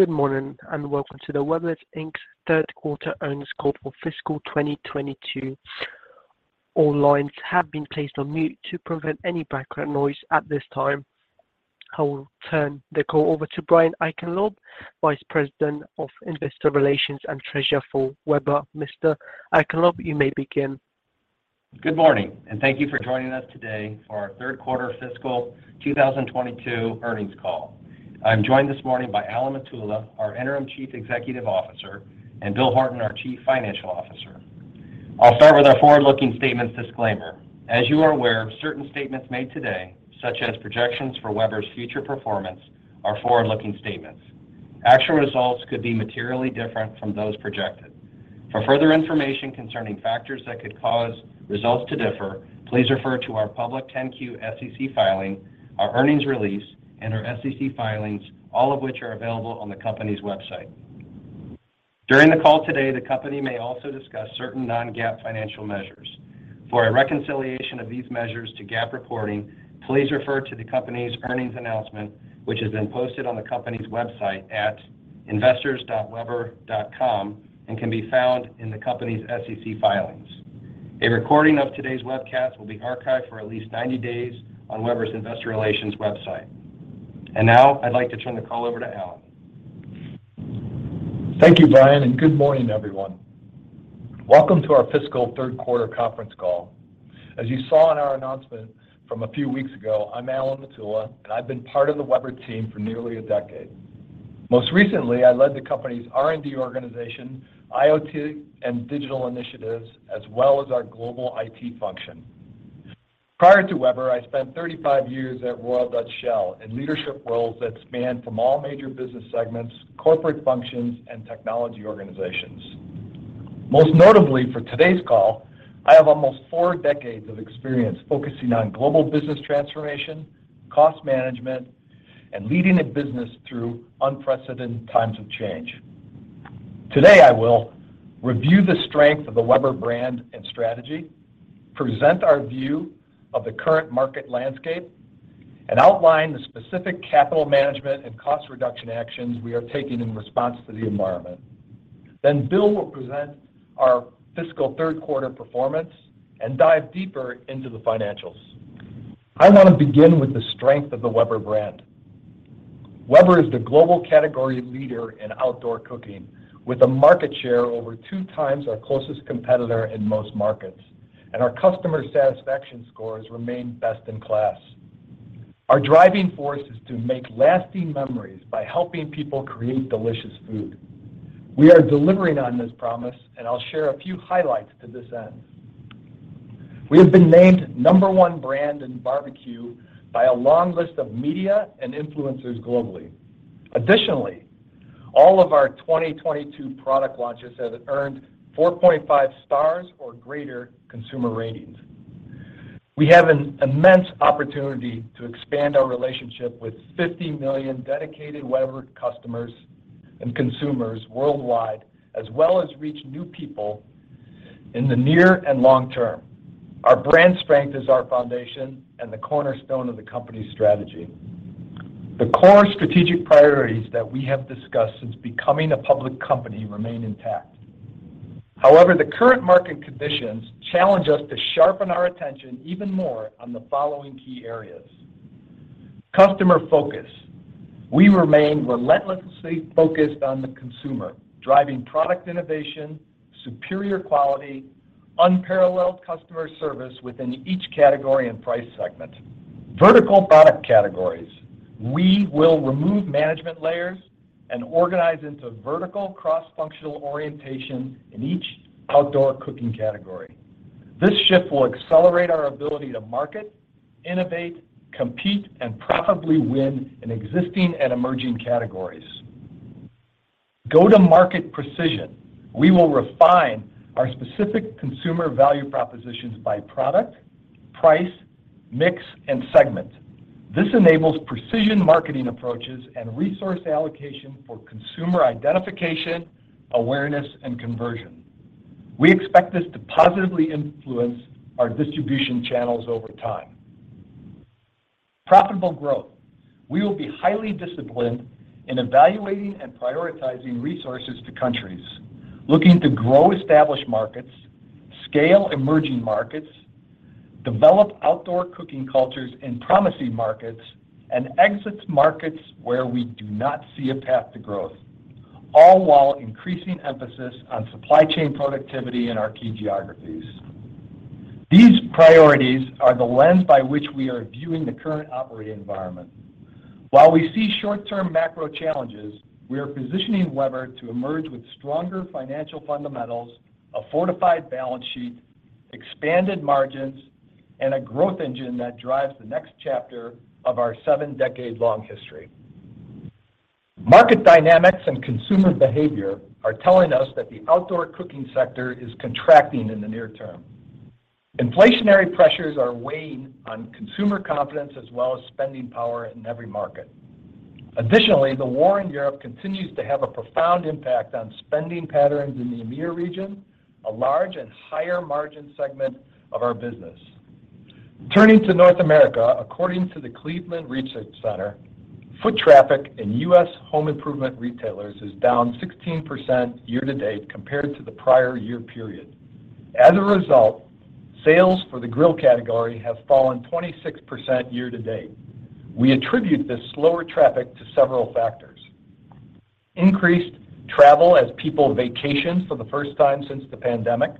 Good morning, and welcome to the Weber Inc.'s Q3 Earnings Call for Fiscal 2022. All lines have been placed on mute to prevent any background noise at this time. I will turn the call over to Brian Eichenlaub, Vice President of Investor Relations and Treasurer for Weber. Mr. Eichenlaub, you may begin. Good morning, and thank you for joining us today for our third quarter fiscal 2022 earnings call. I'm joined this morning by Alan Matula, our Interim Chief Executive Officer, and Bill Horton, our Chief Financial Officer. I'll start with our forward-looking statements disclaimer. As you are aware, certain statements made today, such as projections for Weber's future performance, are forward-looking statements. Actual results could be materially different from those projected. For further information concerning factors that could cause results to differ, please refer to our public 10-Q SEC filing, our earnings release, and our SEC filings, all of which are available on the company's website. During the call today, the company may also discuss certain non-GAAP financial measures. For a reconciliation of these measures to GAAP reporting, please refer to the company's earnings announcement, which has been posted on the company's website at investors.weber.com and can be found in the company's SEC filings. A recording of today's webcast will be archived for at least 90 days on Weber's Investor Relations website. Now I'd like to turn the call over to Alan. Thank you, Brian, and good morning, everyone. Welcome to our fiscal Q3 conference call. As you saw in our announcement from a few weeks ago, I'm Alan Matula, and I've been part of the Weber team for nearly a decade. Most recently, I led the company's R&D organization, IoT, and digital initiatives, as well as our global IT function. Prior to Weber, I spent 35 years at Royal Dutch Shell in leadership roles that spanned from all major business segments, corporate functions, and technology organizations. Most notably for today's call, I have almost four decades of experience focusing on global business transformation, cost management, and leading a business through unprecedented times of change. Today, I will review the strength of the Weber brand and strategy, present our view of the current market landscape, and outline the specific capital management and cost reduction actions we are taking in response to the environment. Bill will present our fiscal Q3 performance and dive deeper into the financials. I want to begin with the strength of the Weber brand. Weber is the global category leader in outdoor cooking, with a market share over 2x our closest competitor in most markets, and our customer satisfaction scores remain best in class. Our driving force is to make lasting memories by helping people create delicious food. We are delivering on this promise, and I'll share a few highlights to this end. We have been named number one brand in barbecue by a long list of media and influencers globally. Additionally, all of our 2022 product launches have earned 4.5 stars or greater consumer ratings. We have an immense opportunity to expand our relationship with 50 million dedicated Weber customers and consumers worldwide, as well as reach new people in the near and long term. Our brand strength is our foundation and the cornerstone of the company's strategy. The core strategic priorities that we have discussed since becoming a public company remain intact. However, the current market conditions challenge us to sharpen our attention even more on the following key areas. Customer focus. We remain relentlessly focused on the consumer, driving product innovation, superior quality, unparalleled customer service within each category and price segment. Vertical product categories. We will remove management layers and organize into vertical cross-functional orientation in each outdoor cooking category. This shift will accelerate our ability to market, innovate, compete, and profitably win in existing and emerging categories. Go-to-market precision. We will refine our specific consumer value propositions by product, price, mix, and segment. This enables precision marketing approaches and resource allocation for consumer identification, awareness, and conversion. We expect this to positively influence our distribution channels over time. Profitable growth. We will be highly disciplined in evaluating and prioritizing resources to countries, looking to grow established markets, scale emerging markets, develop outdoor cooking cultures in promising markets, and exit markets where we do not see a path to growth, all while increasing emphasis on supply chain productivity in our key geographies. These priorities are the lens by which we are viewing the current operating environment. While we see short-term macro challenges, we are positioning Weber to emerge with stronger financial fundamentals, a fortified balance sheet, expanded margins, and a growth engine that drives the next chapter of our seven-decade-long history. Market dynamics and consumer behavior are telling us that the outdoor cooking sector is contracting in the near term. Inflationary pressures are weighing on consumer confidence as well as spending power in every market. Additionally, the war in Europe continues to have a profound impact on spending patterns in the EMEA region, a large and higher margin segment of our business. Turning to North America, according to the Cleveland Research Company, foot traffic in U.S. home improvement retailers is down 16% year to date compared to the prior year period. As a result, sales for the grill category have fallen 26% year to date. We attribute this slower traffic to several factors. Increased travel as people vacationed for the first time since the pandemic,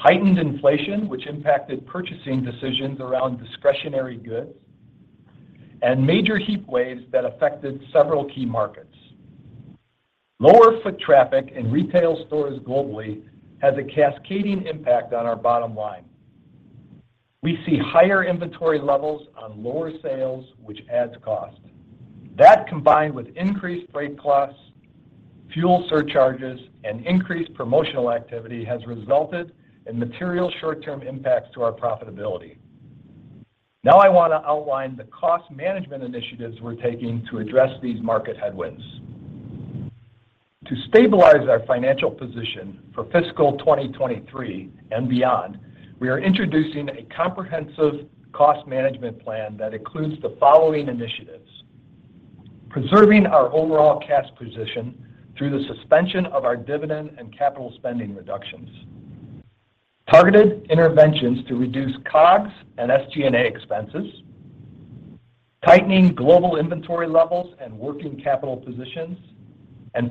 heightened inflation, which impacted purchasing decisions around discretionary goods, and major heat waves that affected several key markets. Lower foot traffic in retail stores globally has a cascading impact on our bottom line. We see higher inventory levels on lower sales, which adds cost. That, combined with increased freight costs, fuel surcharges, and increased promotional activity, has resulted in material short-term impacts to our profitability. Now I want to outline the cost management initiatives we're taking to address these market headwinds. To stabilize our financial position for fiscal 2023 and beyond, we are introducing a comprehensive cost management plan that includes the following initiatives. Preserving our overall cash position through the suspension of our dividend and capital spending reductions. Targeted interventions to reduce COGS and SG&A expenses. Tightening global inventory levels and working capital positions.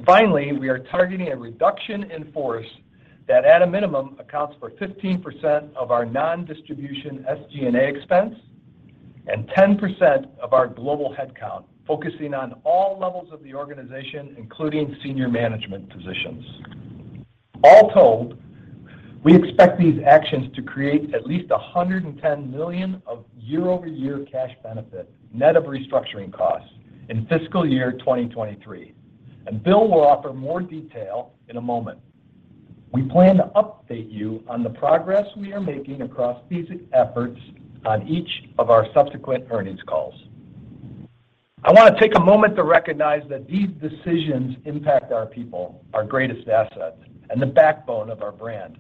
Finally, we are targeting a reduction in force that at a minimum accounts for 15% of our non-distribution SG&A expense and 10% of our global headcount, focusing on all levels of the organization, including senior management positions. All told, we expect these actions to create at least $110 million of year-over-year cash benefit, net of restructuring costs, in fiscal year 2023. Bill will offer more detail in a moment. We plan to update you on the progress we are making across these efforts on each of our subsequent earnings calls. I want to take a moment to recognize that these decisions impact our people, our greatest asset, and the backbone of our brand.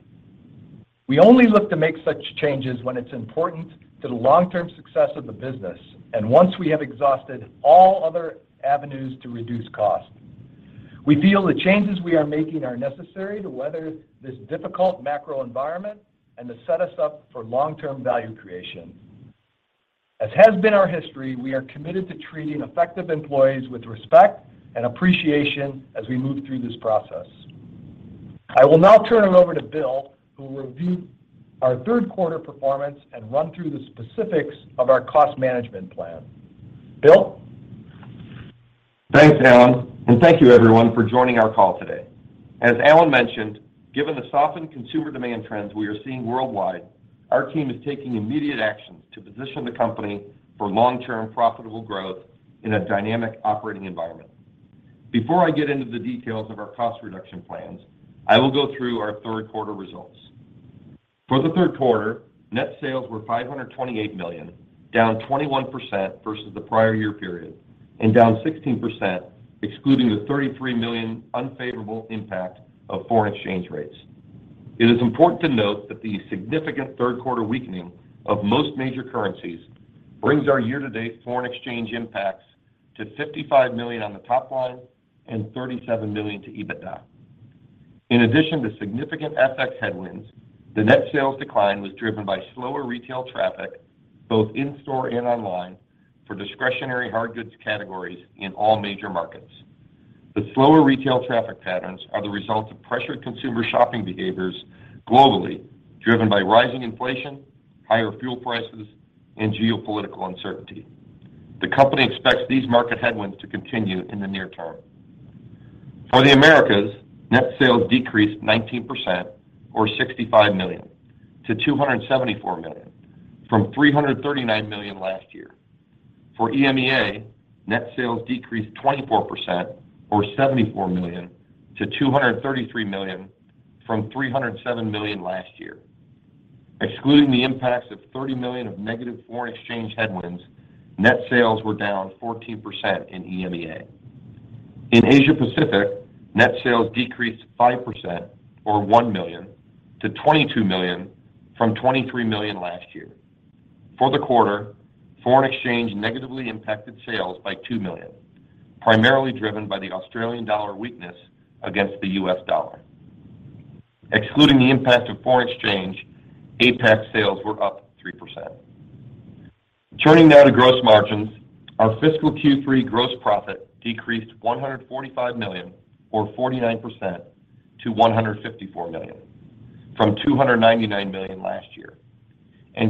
We only look to make such changes when it's important to the long-term success of the business and once we have exhausted all other avenues to reduce cost. We feel the changes we are making are necessary to weather this difficult macro environment and to set us up for long-term value creation. As has been our history, we are committed to treating effective employees with respect and appreciation as we move through this process. I will now turn it over to Bill, who will review our Q3 performance and run through the specifics of our cost management plan. Bill? Thanks, Alan, and thank you everyone for joining our call today. As Alan mentioned, given the softened consumer demand trends we are seeing worldwide, our team is taking immediate actions to position the company for long-term profitable growth in a dynamic operating environment. Before I get into the details of our cost reduction plans, I will go through our Q3 results. For the Q3, net sales were $528 million, down 21% versus the prior year period and down 16% excluding the $33 million unfavorable impact of foreign exchange rates. It is important to note that the significant Q3 weakening of most major currencies brings our year-to-date foreign exchange impacts to $55 million on the top line and $37 million to EBITDA. In addition to significant FX headwinds, the net sales decline was driven by slower retail traffic, both in-store and online, for discretionary hard goods categories in all major markets. The slower retail traffic patterns are the result of pressured consumer shopping behaviors globally, driven by rising inflation, higher fuel prices, and geopolitical uncertainty. The company expects these market headwinds to continue in the near term. For the Americas, net sales decreased 19% or $65 million to $274 million from $339 million last year. For EMEA, net sales decreased 24% or $74 million to $233 million from $307 million last year. Excluding the impacts of $30 million of negative foreign exchange headwinds, net sales were down 14% in EMEA. In Asia Pacific, net sales decreased 5% or $1 million to $22 million from $23 million last year. For the quarter, foreign exchange negatively impacted sales by $2 million, primarily driven by the Australian dollar weakness against the U.S. dollar. Excluding the impact of foreign exchange, APAC sales were up 3%. Turning now to gross margins, our fiscal Q3 gross profit decreased $145 million or 49% to $154 million from $299 million last year.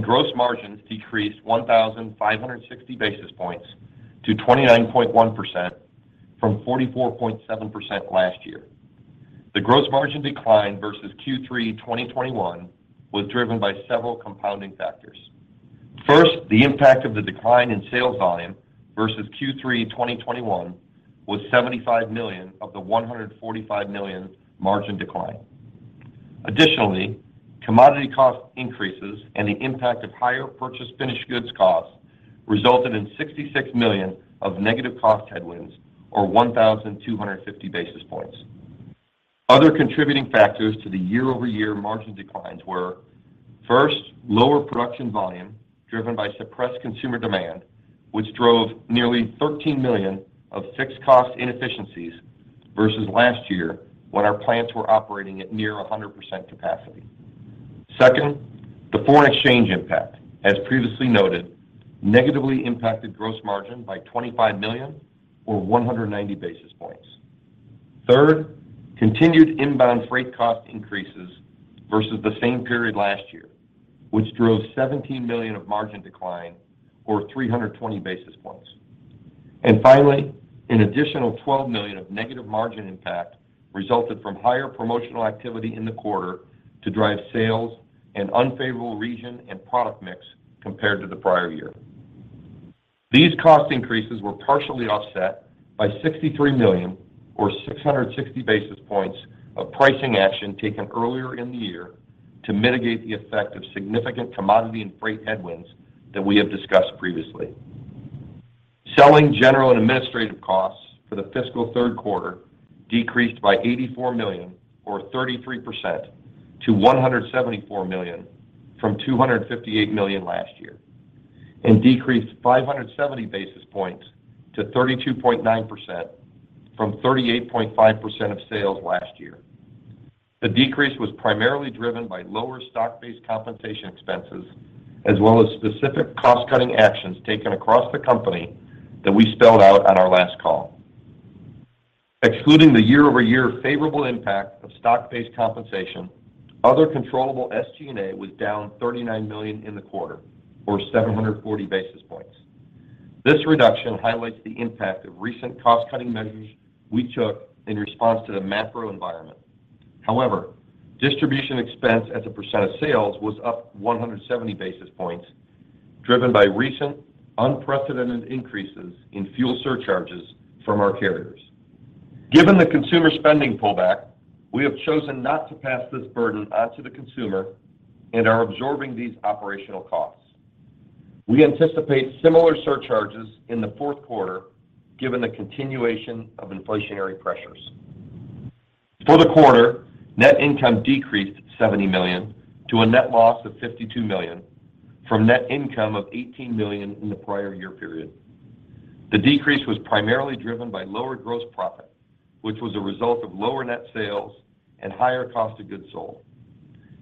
Gross margins decreased 1,560 basis points to 29.1% from 44.7% last year. The gross margin decline versus Q3 2021 was driven by several compounding factors. First, the impact of the decline in sales volume versus Q3 2021 was $75 million of the $145 million margin decline. Additionally, commodity cost increases and the impact of higher purchase finished goods costs resulted in $66 million of negative cost headwinds or 1,250 basis points. Other contributing factors to the year-over-year margin declines were, first, lower production volume driven by suppressed consumer demand, which drove nearly $13 million of fixed cost inefficiencies versus last year when our plants were operating at near 100% capacity. Second, the foreign exchange impact, as previously noted, negatively impacted gross margin by $25 million or 190 basis points. Third, continued inbound freight cost increases versus the same period last year, which drove $17 million of margin decline or 320 basis points. Finally, an additional $12 million of negative margin impact resulted from higher promotional activity in the quarter to drive sales and unfavorable region and product mix compared to the prior year. These cost increases were partially offset by $63 million or 660 basis points of pricing action taken earlier in the year to mitigate the effect of significant commodity and freight headwinds that we have discussed previously. Selling, general, and administrative costs for the fiscal Q3 decreased by $84 million or 33% to $174 million from $258 million last year and decreased 570 basis points to 32.9% from 38.5% of sales last year. The decrease was primarily driven by lower stock-based compensation expenses as well as specific cost-cutting actions taken across the company that we spelled out on our last call. Excluding the year-over-year favorable impact of stock-based compensation, other controllable SG&A was down $39 million in the quarter or 740 basis points. This reduction highlights the impact of recent cost-cutting measures we took in response to the macro environment. However, distribution expense as a percent of sales was up 170 basis points, driven by recent unprecedented increases in fuel surcharges from our carriers. Given the consumer spending pullback, we have chosen not to pass this burden on to the consumer and are absorbing these operational costs. We anticipate similar surcharges in the Q4 given the continuation of inflationary pressures. For the quarter, net income decreased $70 million to a net loss of $52 million from net income of $18 million in the prior year period. The decrease was primarily driven by lower gross profit, which was a result of lower net sales and higher cost of goods sold.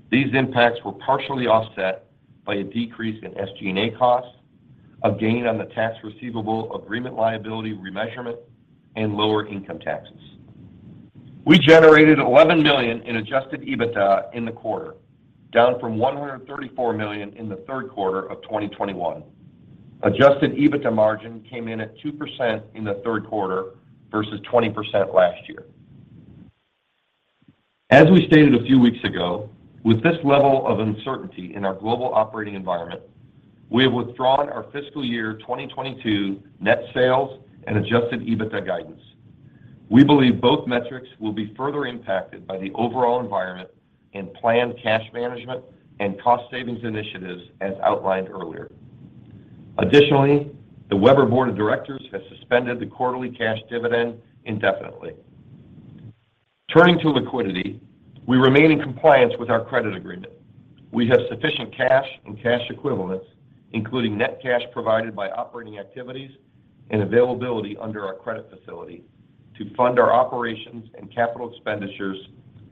These impacts were partially offset by a decrease in SG&A costs, a gain on the tax receivable agreement liability remeasurement, and lower income taxes. We generated $11 million in adjusted EBITDA in the quarter, down from $134 million in the Q3 of 2021. Adjusted EBITDA margin came in at 2% in the Q3versus 20% last year. As we stated a few weeks ago, with this level of uncertainty in our global operating environment, we have withdrawn our fiscal year 2022 net sales and adjusted EBITDA guidance. We believe both metrics will be further impacted by the overall environment and planned cash management and cost savings initiatives as outlined earlier. Additionally, the Weber Board of Directors has suspended the quarterly cash dividend indefinitely. Turning to liquidity, we remain in compliance with our credit agreement. We have sufficient cash and cash equivalents, including net cash provided by operating activities and availability under our credit facility, to fund our operations and capital expenditures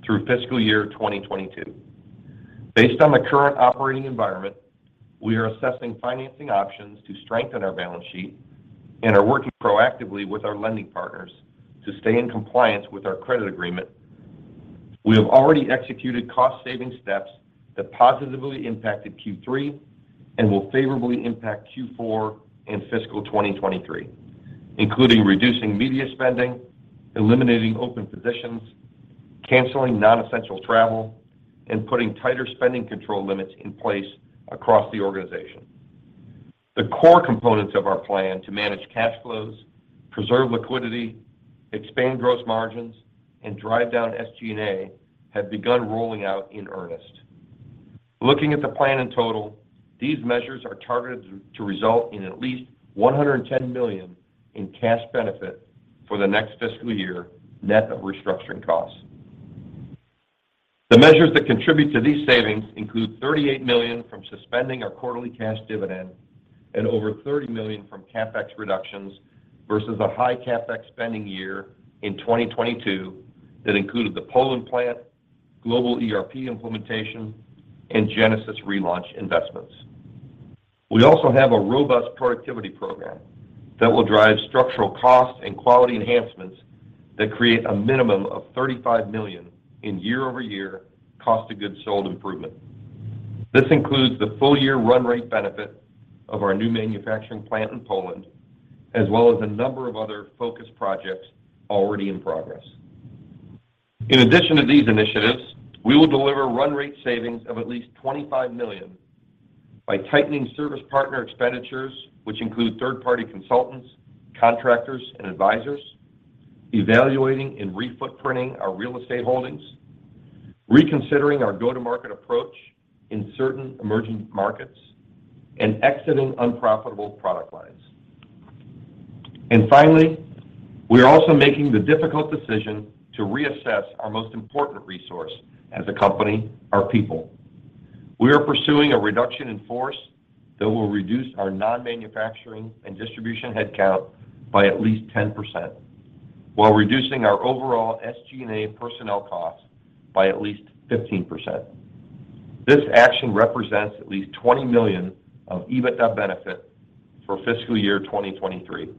through fiscal year 2022. Based on the current operating environment, we are assessing financing options to strengthen our balance sheet and are working proactively with our lending partners to stay in compliance with our credit agreement. We have already executed cost-saving steps that positively impacted Q3 and will favorably impact Q4 and fiscal 2023, including reducing media spending, eliminating open positions, canceling non-essential travel, and putting tighter spending control limits in place across the organization. The core components of our plan to manage cash flows, preserve liquidity, expand gross margins, and drive down SG&A have begun rolling out in earnest. Looking at the plan in total, these measures are targeted to result in at least $110 million in cash benefit for the next fiscal year, net of restructuring costs. The measures that contribute to these savings include $38 million from suspending our quarterly cash dividend and over $30 million from CapEx reductions versus a high CapEx spending year in 2022 that included the Poland plant, global ERP implementation, and Genesis relaunch investments. We also have a robust productivity program that will drive structural cost and quality enhancements that create a minimum of $35 million in year-over-year cost of goods sold improvement. This includes the full-year run rate benefit of our new manufacturing plant in Poland, as well as a number of other focused projects already in progress. In addition to these initiatives, we will deliver run rate savings of at least $25 million by tightening service partner expenditures, which include third-party consultants, contractors, and advisors, evaluating and re-footprinting our real estate holdings, reconsidering our go-to-market approach in certain emerging markets, and exiting unprofitable product lines. Finally, we are also making the difficult decision to reassess our most important resource as a company, our people. We are pursuing a reduction in force that will reduce our non-manufacturing and distribution headcount by at least 10% while reducing our overall SG&A personnel costs by at least 15%. This action represents at least $20 million of EBITDA benefit for fiscal year 2023.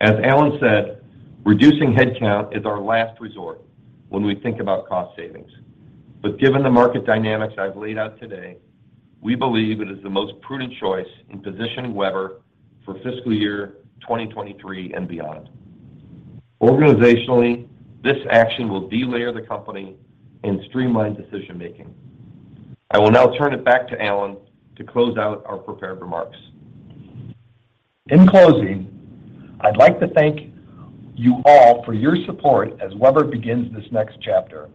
As Alan said, reducing headcount is our last resort when we think about cost savings. Given the market dynamics I've laid out today, we believe it is the most prudent choice in positioning Weber for fiscal year 2023 and beyond. Organizationally, this action will delayer the company and streamline decision-making. I will now turn it back to Alan to close out our prepared remarks. In closing, I'd like to thank you all for your support as Weber begins this next chapter.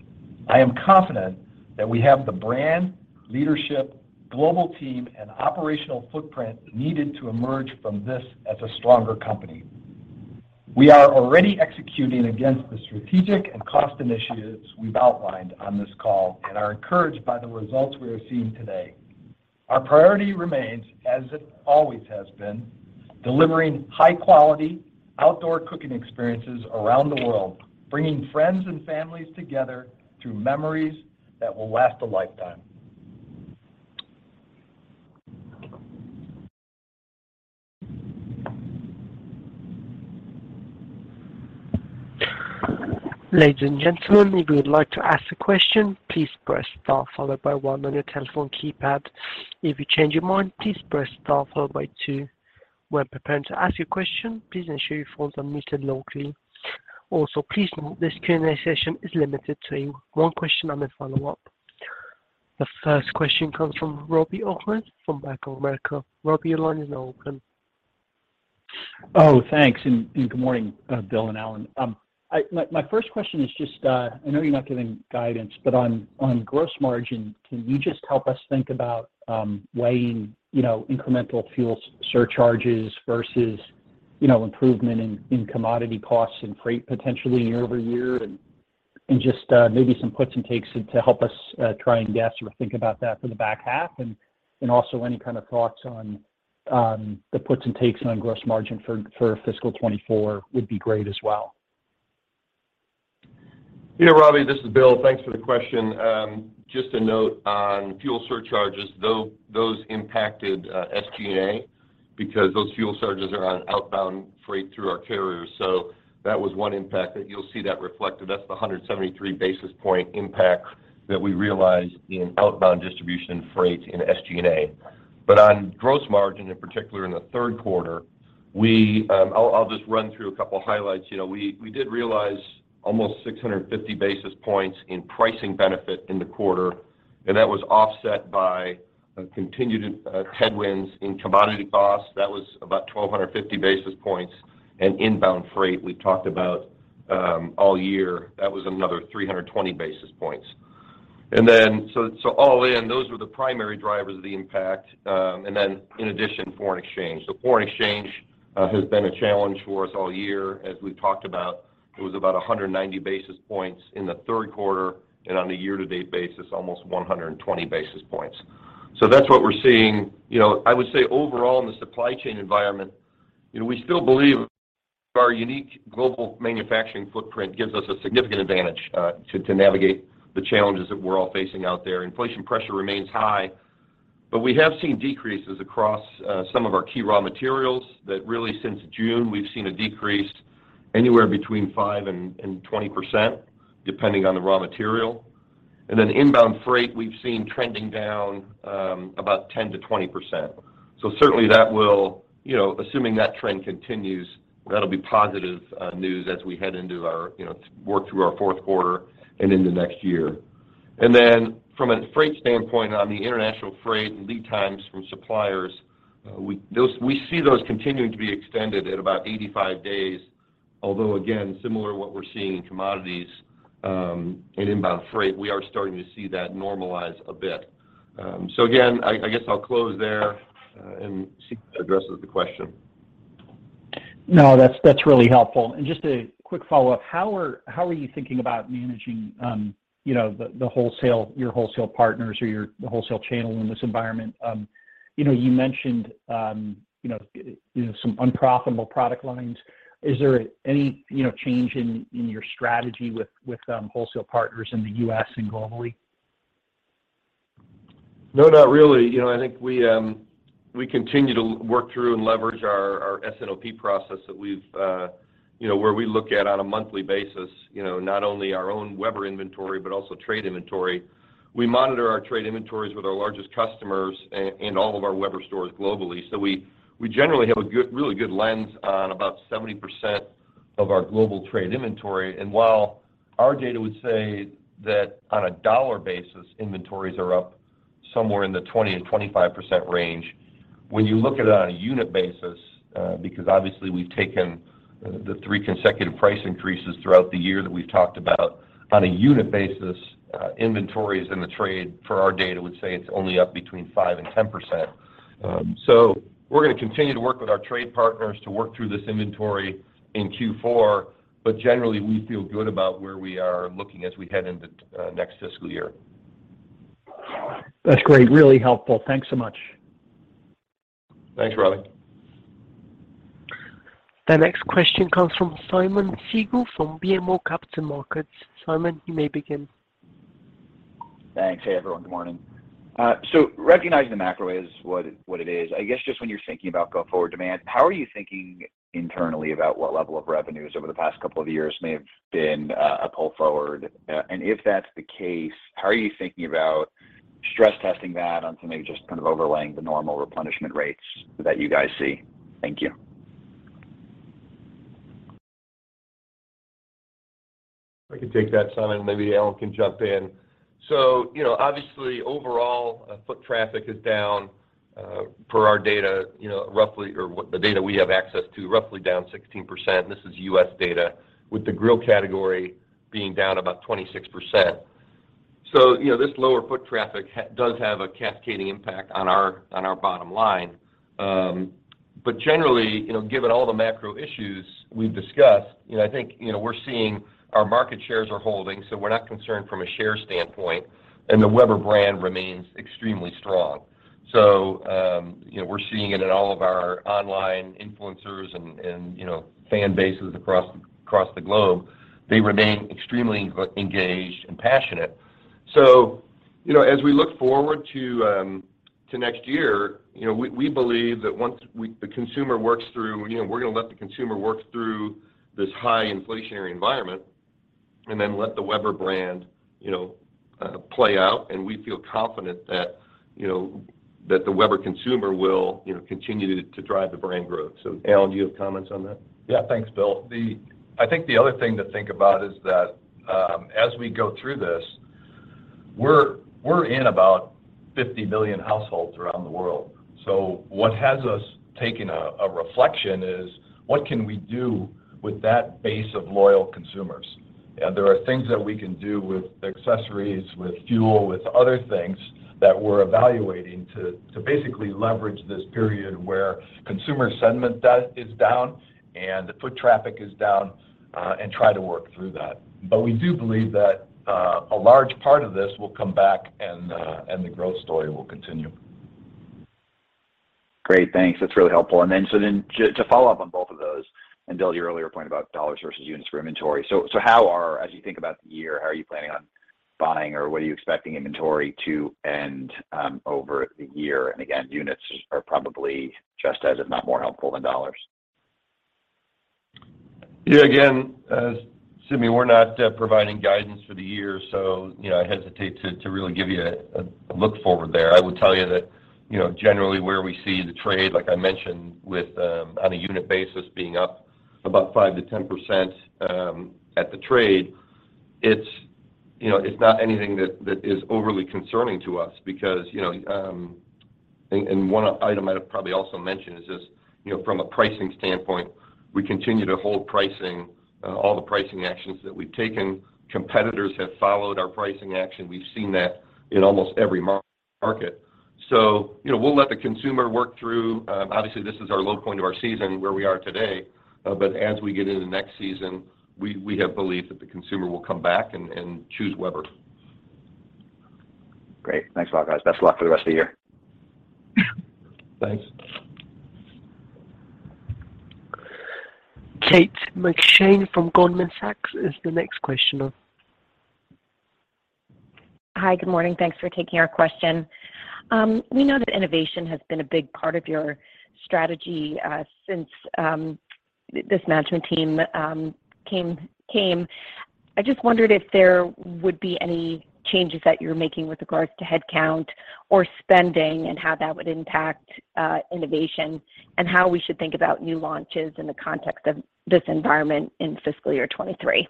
I am confident that we have the brand, leadership, global team, and operational footprint needed to emerge from this as a stronger company. We are already executing against the strategic and cost initiatives we've outlined on this call and are encouraged by the results we are seeing today. Our priority remains, as it always has been, delivering high-quality outdoor cooking experiences around the world, bringing friends and families together through memories that will last a lifetime. Ladies and gentlemen, if you would like to ask a question, please press star followed by one on your telephone keypad. If you change your mind, please press star followed by two. When preparing to ask your question, please ensure your phone is unmuted locally. Also, please note this Q&A session is limited to one question and a follow-up. The first question comes from Robbie Ohmes from Bank of America. Robbie, your line is now open. Oh, thanks. Good morning, Bill and Alan. My first question is just, I know you're not giving guidance, but on gross margin, can you just help us think about weighing, you know, incremental fuel surcharges versus, you know, improvement in commodity costs and freight potentially year-over-year? Just maybe some puts and takes to help us try and guess or think about that for the back half. Also any kind of thoughts on the puts and takes on gross margin for fiscal 2024 would be great as well. Yeah, Robbie, this is Bill. Thanks for the question. Just a note on fuel surcharges. Those impacted SG&A because those fuel surcharges are on outbound freight through our carriers. That was one impact that you'll see that reflected. That's the 173 basis point impact that we realized in outbound distribution freight in SG&A. On gross margin, in particular in the Q3, we... I'll just run through a couple highlights. You know, we did realize almost 650 basis points in pricing benefit in the quarter, and that was offset by continued headwinds in commodity costs. That was about 1,250 basis points. Inbound freight, we talked about all year. That was another 320 basis points. So all in, those were the primary drivers of the impact. In addition, foreign exchange. Foreign exchange has been a challenge for us all year, as we've talked about. It was about 190 basis points in the third quarter, and on a year-to-date basis, almost 120 basis points. That's what we're seeing. You know, I would say overall in the supply chain environment, you know, we still believe our unique global manufacturing footprint gives us a significant advantage to navigate the challenges that we're all facing out there. Inflation pressure remains high, but we have seen decreases across some of our key raw materials that really since June, we've seen a decrease anywhere between 5% and 20% depending on the raw material. Then inbound freight, we've seen trending down about 10%-20%. So certainly that will, you know, assuming that trend continues, that'll be positive news as we head into our, you know, work through our Q4 and into next year. Then from a freight standpoint on the international freight and lead times from suppliers, we see those continuing to be extended at about 85 days, although again, similar to what we're seeing in commodities and inbound freight, we are starting to see that normalize a bit. So again, I guess I'll close there and see if that addresses the question. No, that's really helpful. Just a quick follow-up: How are you thinking about managing, you know, the wholesale, your wholesale partners or your wholesale channel in this environment? You know, you mentioned, you know, some unprofitable product lines. Is there any, you know, change in your strategy with wholesale partners in the U.S. and globally? No, not really. You know, I think we continue to work through and leverage our S&OP process that we've, you know, where we look at on a monthly basis, you know, not only our own Weber inventory but also trade inventory. We monitor our trade inventories with our largest customers and all of our Weber stores globally. We generally have a really good lens on about 70% of our global trade inventory. While our data would say that on a dollar basis, inventories are up somewhere in the 20%-25% range, when you look at it on a unit basis, because obviously we've taken the three consecutive price increases throughout the year that we've talked about on a unit basis, inventories in the trade, our data would say it's only up between 5% and 10%. We're gonna continue to work with our trade partners to work through this inventory in Q4, but generally we feel good about where we are looking as we head into next fiscal year. That's great. Really helpful. Thanks so much. Thanks, Robbie. The next question comes from Simeon Siegel from BMO Capital Markets. Simeon, you may begin. Thanks. Hey, everyone. Good morning. Recognizing the macro is what it is, I guess just when you're thinking about go forward demand, how are you thinking internally about what level of revenues over the past couple of years may have been a pull forward? If that's the case, how are you thinking about stress testing that on something just kind of overlaying the normal replenishment rates that you guys see? Thank you. I can take that, Simeon, maybe Alan can jump in. You know, obviously overall, foot traffic is down, per our data, you know, roughly or what the data we have access to, roughly down 16%, this is U.S. data, with the grill category being down about 26%. This lower foot traffic does have a cascading impact on our, on our bottom line. Generally, you know, given all the macro issues we've discussed, you know, I think, you know, we're seeing our market shares are holding, so we're not concerned from a share standpoint, and the Weber brand remains extremely strong. You know, we're seeing it in all of our online influencers and you know, fan bases across the globe. They remain extremely engaged and passionate. You know, as we look forward to next year, you know, we believe that we're gonna let the consumer work through this high inflationary environment and then let the Weber brand, you know, play out, and we feel confident that, you know, that the Weber consumer will, you know, continue to drive the brand growth. Alan, do you have comments on that? Yeah. Thanks, Bill. I think the other thing to think about is that, as we go through this, we're in about 50 million households around the world. What has us taking a reflection is what can we do with that base of loyal consumers? There are things that we can do with accessories, with fuel, with other things that we're evaluating to basically leverage this period where consumer sentiment is down and foot traffic is down, and try to work through that. We do believe that a large part of this will come back and the growth story will continue. Great. Thanks. That's really helpful. To follow up on both of those, and Bill, your earlier point about dollars versus units for inventory. As you think about the year, how are you planning on buying or what are you expecting inventory to end over the year? Again, units are probably just as, if not more helpful than dollars. Yeah. Again, as Simeon, we're not providing guidance for the year, so, you know, I hesitate to really give you a look forward there. I will tell you that, you know, generally where we see the trade, like I mentioned, with on a unit basis being up about 5%-10%, at the trade, it's, you know, it's not anything that is overly concerning to us because, you know, and one item I'd probably also mention is just, you know, from a pricing standpoint, we continue to hold pricing, all the pricing actions that we've taken. Competitors have followed our pricing action. We've seen that in almost every market. You know, we'll let the consumer work through, obviously, this is our low point of our season where we are today. As we get into next season, we have belief that the consumer will come back and choose Weber. Great. Thanks a lot, guys. Best of luck for the rest of the year. Thanks. Kate McShane from Goldman Sachs is the next questioner. Hi. Good morning. Thanks for taking our question. We know that innovation has been a big part of your strategy since this management team came. I just wondered if there would be any changes that you're making with regards to headcount or spending and how that would impact innovation and how we should think about new launches in the context of this environment in fiscal year 2023?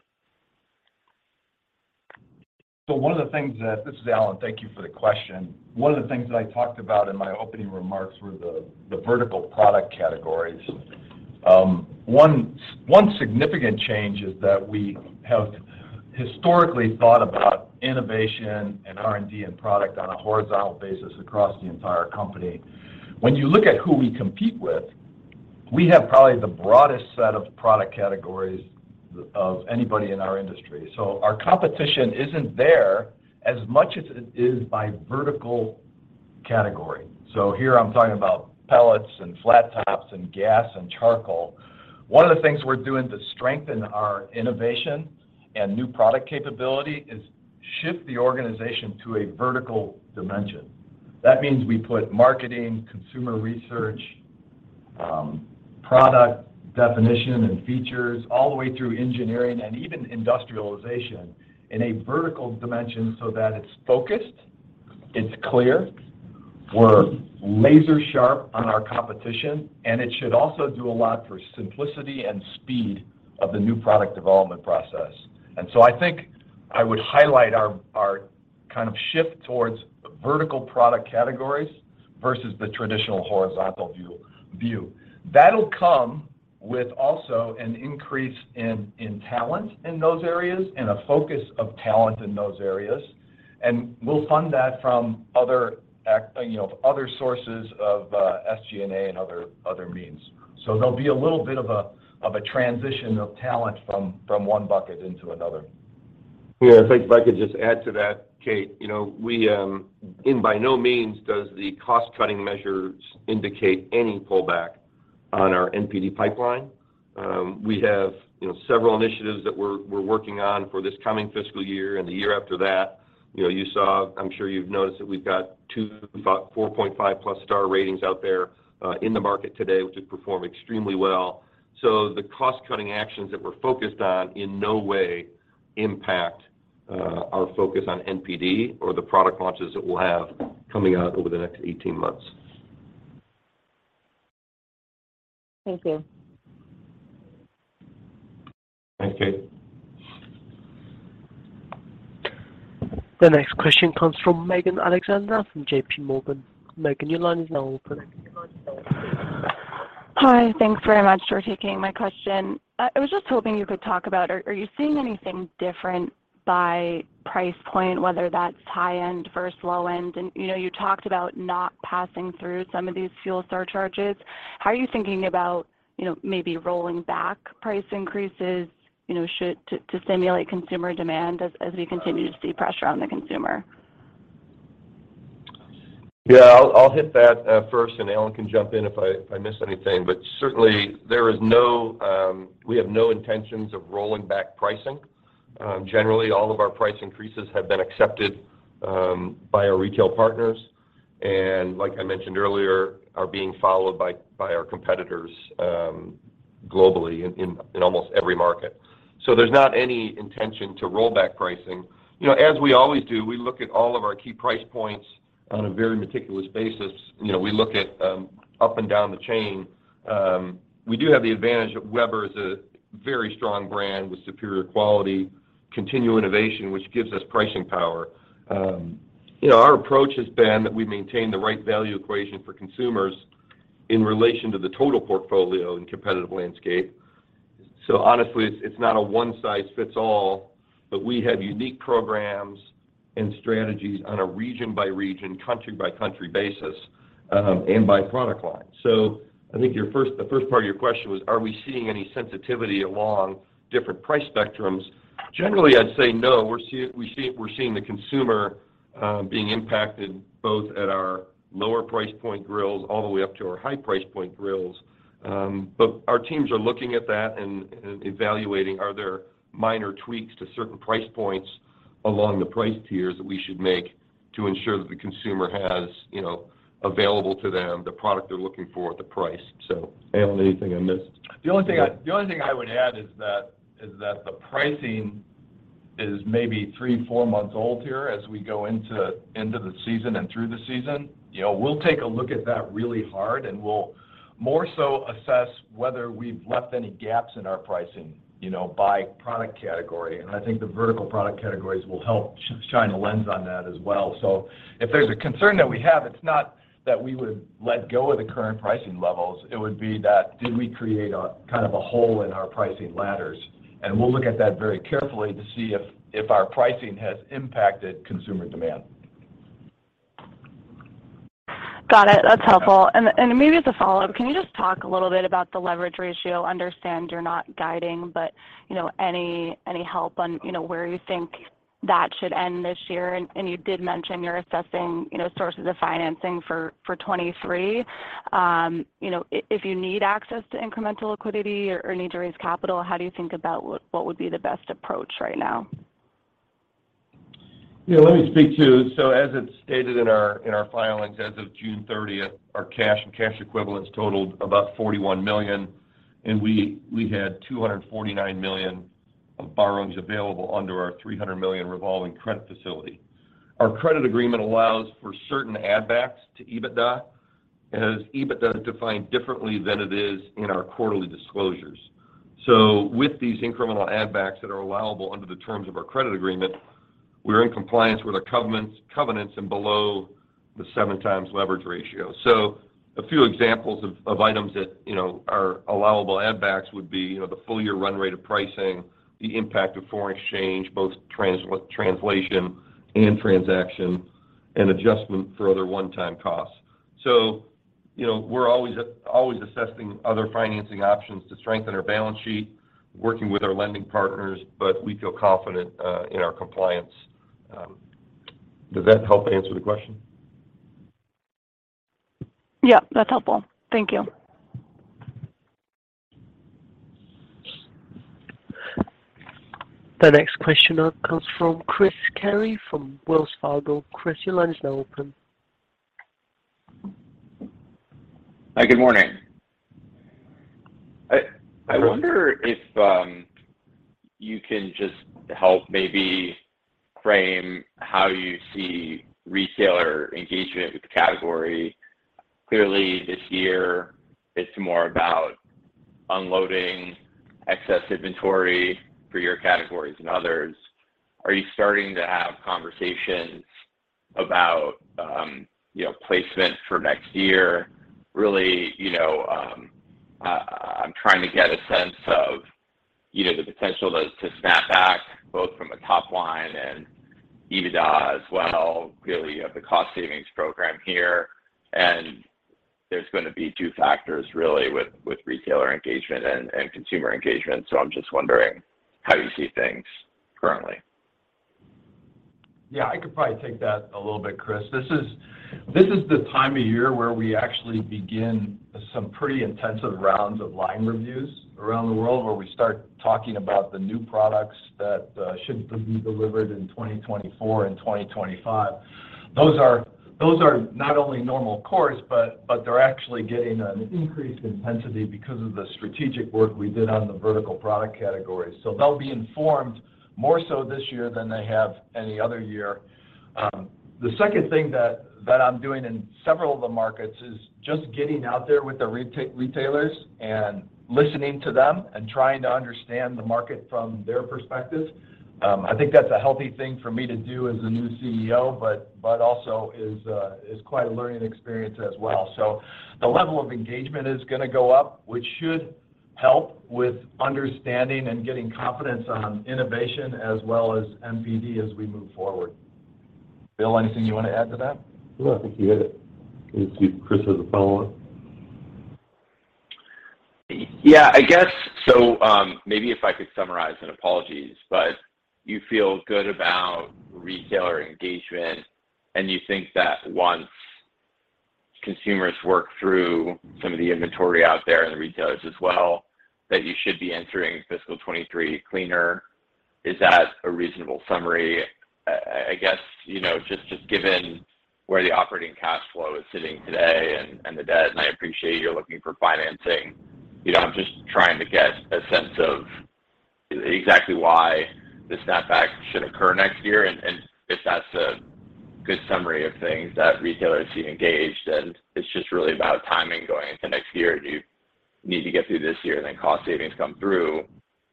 This is Alan. Thank you for the question. One of the things that I talked about in my opening remarks were the vertical product categories. One significant change is that we have historically thought about innovation and R&D and product on a horizontal basis across the entire company. When you look at who we compete with, we have probably the broadest set of product categories of anybody in our industry. Our competition isn't there as much as it is by vertical category. Here I'm talking about pellets and flat tops and gas and charcoal. One of the things we're doing to strengthen our innovation and new product capability is shift the organization to a vertical dimension. That means we put marketing, consumer research, product definition and features, all the way through engineering and even industrialization in a vertical dimension so that it's focused, it's clear, we're laser sharp on our competition, and it should also do a lot for simplicity and speed of the new product development process. I think I would highlight our kind of shift towards vertical product categories versus the traditional horizontal view. That'll come with also an increase in talent in those areas and a focus of talent in those areas, and we'll fund that from other sources of SG&A and other means. There'll be a little bit of a transition of talent from one bucket into another. Yeah. If I could just add to that, Kate. You know, we by no means does the cost-cutting measures indicate any pullback on our NPD pipeline. We have, you know, several initiatives that we're working on for this coming fiscal year and the year after that. You know, you saw. I'm sure you've noticed that we've got two 4.5+ star ratings out there in the market today, which has performed extremely well. The cost-cutting actions that we're focused on in no way impact our focus on NPD or the product launches that we'll have coming out over the next 18 months. Thank you. Thanks, Kate. The next question comes from Megan Alexander from JP Morgan. Megan, your line is now open. Hi. Thanks very much for taking my question. I was just hoping you could talk about, are you seeing anything different by price point, whether that's high end versus low end? You know, you talked about not passing through some of these fuel surcharges. How are you thinking about, you know, maybe rolling back price increases, you know, to stimulate consumer demand as we continue to see pressure on the consumer? Yeah. I'll hit that first, and Alan can jump in if I miss anything. Certainly we have no intentions of rolling back pricing. Generally, all of our price increases have been accepted by our retail partners, and like I mentioned earlier, are being followed by our competitors globally in almost every market. There's not any intention to roll back pricing. You know, as we always do, we look at all of our key price points on a very meticulous basis. You know, we look at up and down the chain. We do have the advantage that Weber is a very strong brand with superior quality, continued innovation, which gives us pricing power. You know, our approach has been that we maintain the right value equation for consumers in relation to the total portfolio and competitive landscape. Honestly, it's not a one-size-fits-all, but we have unique programs and strategies on a region by region, country by country basis, and by product line. I think the first part of your question was, are we seeing any sensitivity along different price spectrums? Generally, I'd say no. We're seeing the consumer being impacted both at our lower price point grills all the way up to our high price point grills. Our teams are looking at that and evaluating are there minor tweaks to certain price points along the price tiers that we should make to ensure that the consumer has, you know, available to them the product they're looking for at the price. Alan, anything I missed? The only thing I would add is that the pricing is maybe 3, 4 months old here as we go into the season and through the season. You know, we'll take a look at that really hard, and we'll more so assess whether we've left any gaps in our pricing, you know, by product category. I think the vertical product categories will help shine a lens on that as well. If there's a concern that we have, it's not that we would let go of the current pricing levels. It would be that, did we create a kind of hole in our pricing ladders? We'll look at that very carefully to see if our pricing has impacted consumer demand. Got it. That's helpful. Maybe as a follow-up, can you just talk a little bit about the leverage ratio? Understand you're not guiding, but, you know, any help on, you know, where you think that should end this year? You did mention you're assessing, you know, sources of financing for 2023. You know, if you need access to incremental liquidity or need to raise capital, how do you think about what would be the best approach right now? Yeah. As it's stated in our filings, as of 30 June 2022, our cash and cash equivalents totaled about $41 million, and we had $249 million of borrowings available under our $300 million revolving credit facility. Our credit agreement allows for certain add backs to EBITDA, and it has EBITDA defined differently than it is in our quarterly disclosures. With these incremental add backs that are allowable under the terms of our credit agreement, we're in compliance with our covenants and below the 7x leverage ratio. A few examples of items that, you know, are allowable add backs would be, you know, the full year run rate of pricing, the impact of foreign exchange, both translation and transaction, and adjustment for other one-time costs. You know, we're always assessing other financing options to strengthen our balance sheet, working with our lending partners, but we feel confident in our compliance. Does that help answer the question? Yeah, that's helpful. Thank you. The next question comes from Chris Carey from Wells Fargo. Chris, your line is now open. Hi. Good morning. Good morning. I wonder if you can just help maybe frame how you see retailer engagement with the category. Clearly this year it's more about unloading excess inventory for your categories and others. Are you starting to have conversations about, you know, placement for next year? Really, you know, I'm trying to get a sense of, you know, the potential to snap back both from a top line and EBITDA as well, really of the cost savings program here. There's gonna be two factors really with retailer engagement and consumer engagement. I'm just wondering how you see things currently. Yeah. I could probably take that a little bit, Chris. This is the time of year where we actually begin some pretty intensive rounds of line reviews around the world, where we start talking about the new products that should be delivered in 2024 and 2025. Those are not only normal course, but they're actually getting an increased intensity because of the strategic work we did on the vertical product categories. They'll be informed more so this year than they have any other year. The second thing that I'm doing in several of the markets is just getting out there with the retailers and listening to them and trying to understand the market from their perspective. I think that's a healthy thing for me to do as the new CEO, but also is quite a learning experience as well. The level of engagement is gonna go up, which should help with understanding and getting confidence on innovation as well as NPD as we move forward. Bill, anything you wanna add to that? No, I think you hit it. Let's see if Chris has a follow-up. Yeah, I guess so, maybe if I could summarize, apologies, but you feel good about retailer engagement, and you think that once consumers work through some of the inventory out there and the retailers as well, that you should be entering fiscal 2023 cleaner. Is that a reasonable summary? I guess, you know, just given where the operating cash flow is sitting today and the debt, and I appreciate you're looking for financing. You know, I'm just trying to get a sense of exactly why the snap back should occur next year, and if that's a good summary of things that retailers seem engaged, and it's just really about timing going into next year, and you need to get through this year, and then cost savings come through.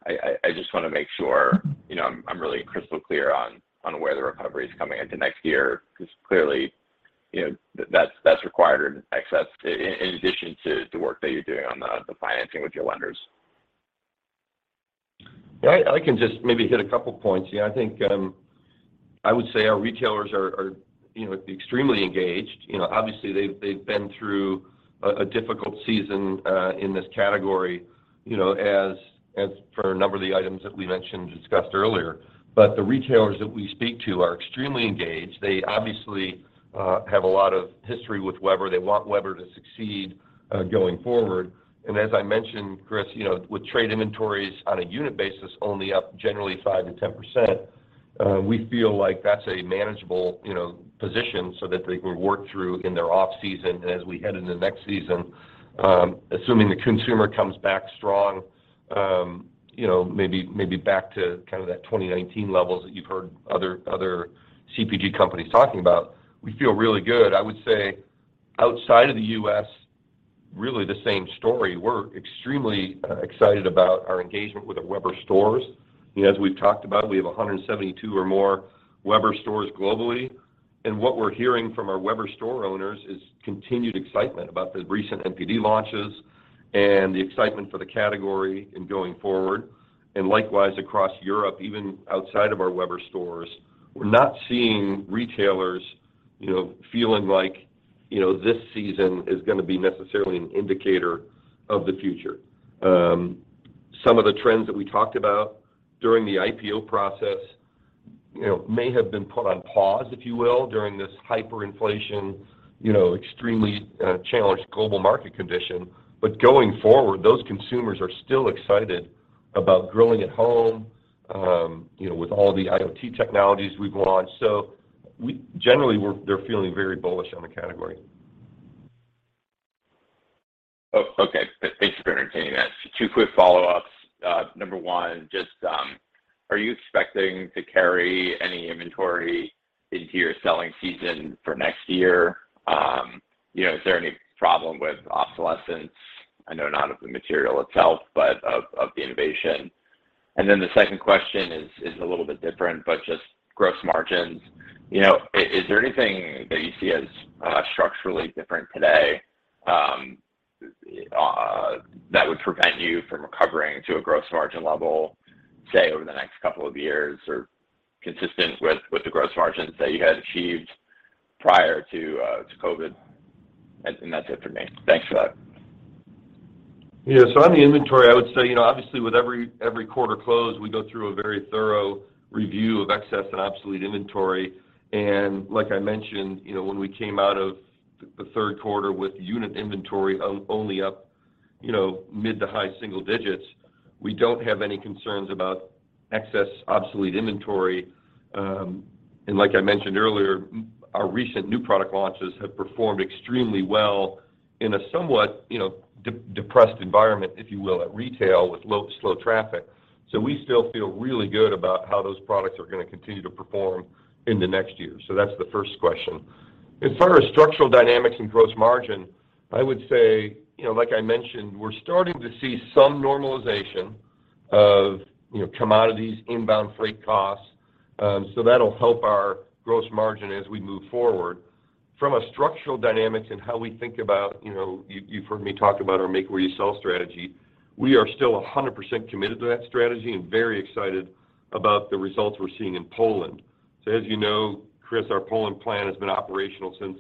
I just wanna make sure, you know, I'm really crystal clear on where the recovery is coming into next year 'cause clearly, you know, that's required excess in addition to the work that you're doing on the financing with your lenders. Yeah. I can just maybe hit a couple points. You know, I think I would say our retailers are you know extremely engaged. You know, obviously, they've been through a difficult season in this category, you know, as for a number of the items that we mentioned and discussed earlier. The retailers that we speak to are extremely engaged. They obviously have a lot of history with Weber. They want Weber to succeed going forward. As I mentioned, Chris, you know, with trade inventories on a unit basis only up generally 5%-10%, we feel like that's a manageable you know position so that they can work through in their off-season as we head into next season. Assuming the consumer comes back strong, you know, maybe back to kind of that 2019 levels that you've heard other CPG companies talking about, we feel really good. I would say outside of the U.S., really the same story. We're extremely excited about our engagement with the Weber stores. You know, as we've talked about, we have 172 or more Weber stores globally. What we're hearing from our Weber store owners is continued excitement about the recent NPD launches and the excitement for the category in going forward. Likewise across Europe, even outside of our Weber stores, we're not seeing retailers, you know, feeling like, you know, this season is gonna be necessarily an indicator of the future. Some of the trends that we talked about during the IPO process, you know, may have been put on pause, if you will, during this hyperinflation, you know, extremely challenged global market condition. Going forward, those consumers are still excited about grilling at home, you know, with all the IoT technologies we've launched. Generally they're feeling very bullish on the category. Oh, okay. Thanks for entertaining that. Two quick follow-ups. Number one, just, are you expecting to carry any inventory into your selling season for next year? You know, is there any problem with obsolescence? I know not of the material itself, but of the innovation. The second question is a little bit different, but just gross margins. You know, is there anything that you see as structurally different today that would prevent you from recovering to a gross margin level, say, over the next couple of years or consistent with the gross margins that you had achieved prior to COVID? That's it for me. Thanks for that. Yeah. On the inventory, I would say, you know, obviously with every quarter close, we go through a very thorough review of excess and obsolete inventory. Like I mentioned, you know, when we came out of the Q3 with unit inventory only up, you know, mid to high single digits, we don't have any concerns about excess obsolete inventory. Like I mentioned earlier, our recent new product launches have performed extremely well in a somewhat, you know, depressed environment, if you will, at retail with low, slow traffic. We still feel really good about how those products are going to continue to perform in the next year. That's the first question. As far as structural dynamics and gross margin, I would say, you know, like I mentioned, we're starting to see some normalization of, you know, commodities, inbound freight costs. That'll help our gross margin as we move forward. From a structural dynamics and how we think about, you know, you've heard me talk about our make-where-you-sell strategy. We are still 100% committed to that strategy and very excited about the results we're seeing in Poland. As you know, Chris, our Poland plant has been operational since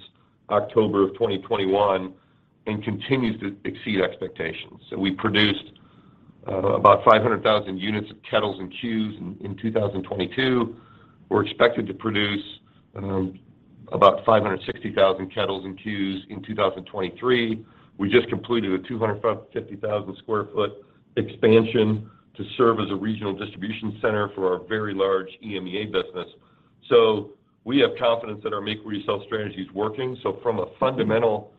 October of 2021 and continues to exceed expectations. We produced about 500,000 units of kettles and Q's in 2022. We're expected to produce about 560,000 kettles and Q's in 2023. We just completed a 250,000 sq ft expansion to serve as a regional distribution center for our very large EMEA business. We have confidence that our make-where-you-sell strategy is working. From a fundamental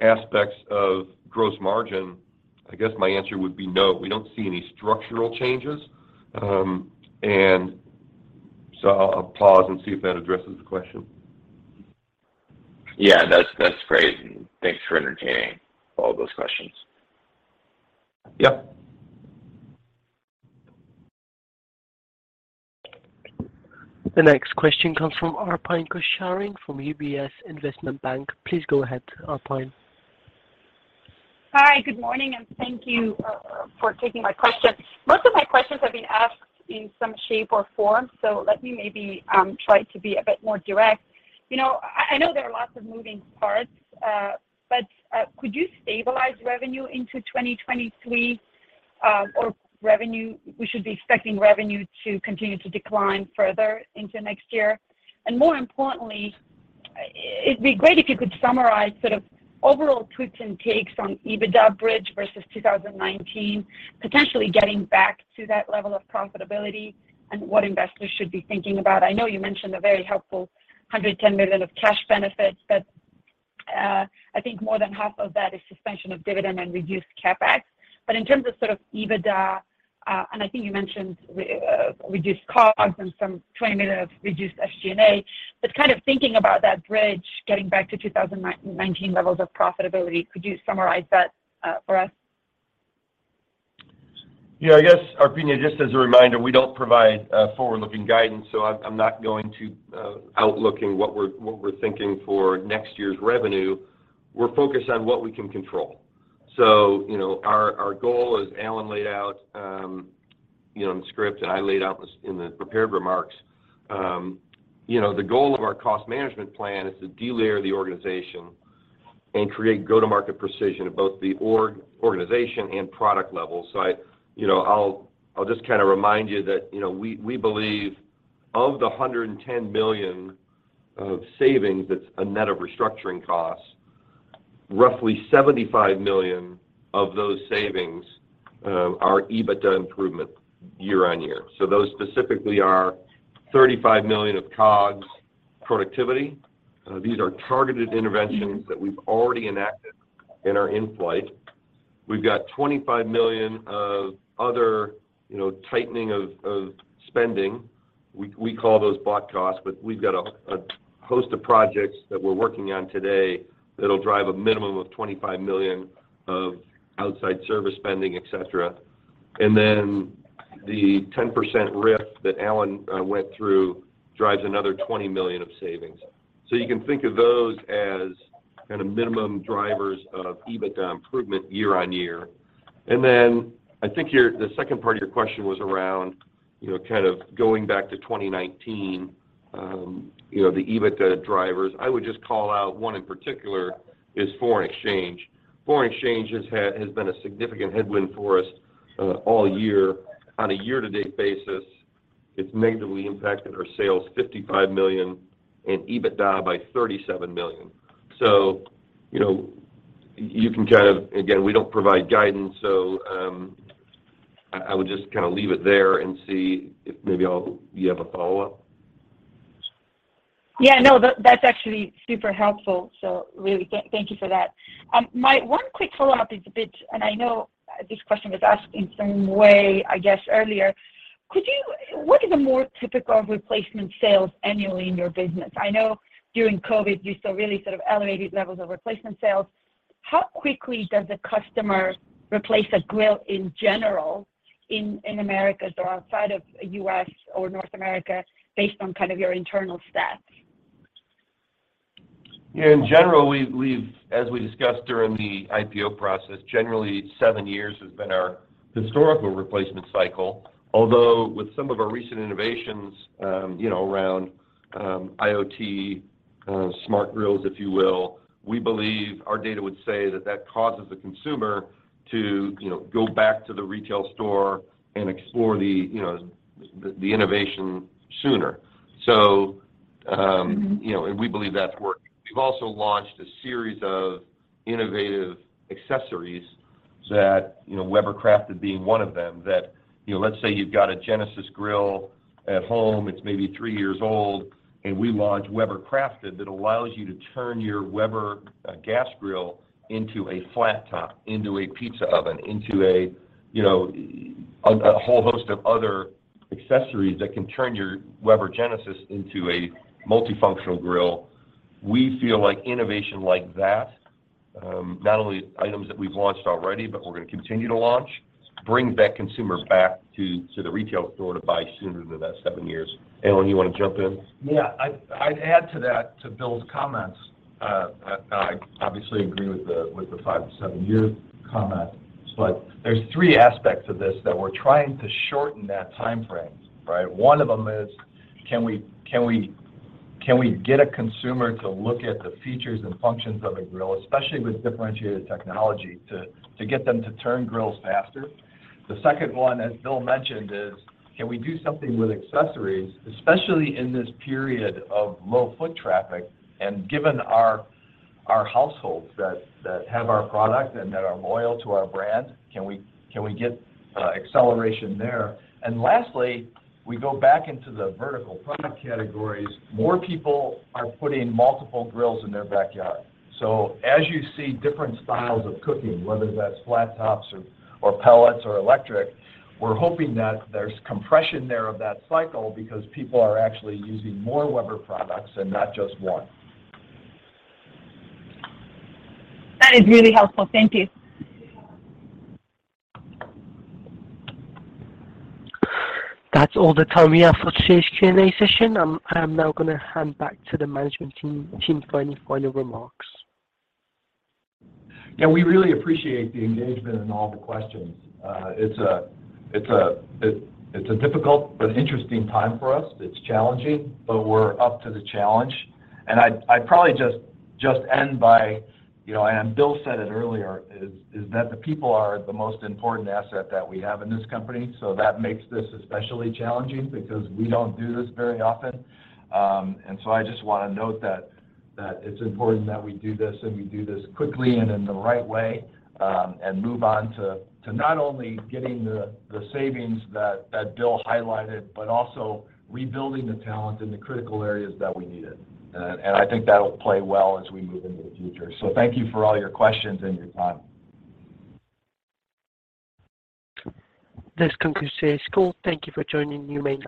aspects of gross margin, I guess my answer would be no. We don't see any structural changes. I'll pause and see if that addresses the question. Yeah. That's great. Thanks for entertaining all those questions. Yep. The next question comes from Arpine Kocharian from UBS Investment Bank. Please go ahead, Arpine. Hi, good morning, and thank you for taking my question. Most of my questions have been asked in some shape or form, so let me maybe try to be a bit more direct. You know, I know there are lots of moving parts, but could you stabilize revenue into 2023, or should we be expecting revenue to continue to decline further into next year? More importantly, it'd be great if you could summarize sort of overall twists and turns on EBITDA bridge versus 2019, potentially getting back to that level of profitability and what investors should be thinking about. I know you mentioned a very helpful $110 million of cash benefits, but I think more than half of that is suspension of dividend and reduced CapEx. In terms of sort of EBITDA, and I think you mentioned reduce costs and some $20 million of reduced SG&A, but kind of thinking about that bridge getting back to 2009-2019 levels of profitability, could you summarize that, for us? I guess, Arpine, just as a reminder, we don't provide forward-looking guidance, so I'm not going to outlook what we're thinking for next year's revenue. We're focused on what we can control. You know, our goal, as Alan laid out, you know, in the script and I laid out in the prepared remarks, you know, the goal of our Cost Management Plan is to delayer the organization and create go-to-market precision at both the organization and product level. I, you know, I'll just kind of remind you that, you know, we believe that of the $110 million of savings that's a net of restructuring costs, roughly $75 million of those savings are EBITDA improvement year-over-year. Those specifically are $35 million of COGS productivity. These are targeted interventions that we've already enacted and are in flight. We've got $25 million of other, you know, tightening of spending. We call those bot costs, but we've got a host of projects that we're working on today that'll drive a minimum of $25 million of outside service spending, et cetera. The 10% RIF that Alan went through drives another $20 million of savings. You can think of those as kind of minimum drivers of EBITDA improvement year-over-year. I think the second part of your question was around, you know, kind of going back to 2019, the EBITDA drivers. I would just call out one in particular is foreign exchange. Foreign exchange has been a significant headwind for us all year. On a year to date basis, it's negatively impacted our sales $55 million and EBITDA by $37 million. You know, you can kind of again, we don't provide guidance, so, I would just kind of leave it there and see if maybe you have a follow-up? Yeah, no, that's actually super helpful. Really thank you for that. My one quick follow-up is a bit, and I know this question was asked in some way, I guess, earlier. What is a more typical replacement sales annually in your business? I know during COVID you saw really sort of elevated levels of replacement sales. How quickly does a customer replace a grill in general in Americas or outside of U.S. or North America based on kind of your internal stats? In general, we've as we discussed during the IPO process, generally seven years has been our historical replacement cycle. Although with some of our recent innovations, you know, around IoT, smart grills, if you will, we believe our data would say that causes the consumer to, you know, go back to the retail store and explore you know, the innovation sooner. Mm-hmm You know, we believe that's working. We've also launched a series of innovative accessories that, you know, Weber Crafted being one of them, that, you know, let's say you've got a Genesis grill at home, it's maybe three years old, and we launch Weber Crafted that allows you to turn your Weber gas grill into a flat top, into a pizza oven, into a, you know, a whole host of other accessories that can turn your Weber Genesis into a multifunctional grill. We feel like innovation like that, not only items that we've launched already, but we're gonna continue to launch, bring that consumer back to the retail store to buy sooner than that seven years. Alan, you wanna jump in? Yeah. I'd add to that, to Bill's comments. I obviously agree with the 5 year-7 year comment, but there's three aspects of this that we're trying to shorten that timeframe, right? One of them is can we get a consumer to look at the features and functions of a grill, especially with differentiated technology, to get them to turn grills faster? The second one, as Bill mentioned, is can we do something with accessories, especially in this period of low foot traffic, and given our households that have our product and that are loyal to our brand, can we get acceleration there? Lastly, we go back into the vertical product categories. More people are putting multiple grills in their backyard. As you see different styles of cooking, whether that's flat tops or pellets or electric, we're hoping that there's compression there of that cycle because people are actually using more Weber products and not just one. That is really helpful. Thank you. That's all the time we have for today's Q&A session. I am now gonna hand back to the management team for any final remarks. Yeah, we really appreciate the engagement and all the questions. It's a difficult but interesting time for us. It's challenging, but we're up to the challenge. I'd probably just end by, you know, and Bill said it earlier, that the people are the most important asset that we have in this company. So that makes this especially challenging because we don't do this very often. I just wanna note that it's important that we do this, and we do this quickly and in the right way, and move on to not only getting the savings that Bill highlighted, but also rebuilding the talent in the critical areas that we need it. I think that'll play well as we move into the future. Thank you for all your questions and your time. This concludes today's call. Thank you for joining us.